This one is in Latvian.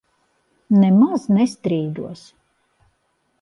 Nemaz nestrīdos.